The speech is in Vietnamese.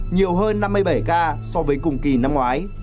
nhiều hơn năm mươi bảy ca so với cùng kỳ năm ngoái